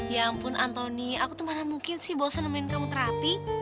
ya ampun antoni aku tuh malah mungkin sih bosan nemenin kamu terapi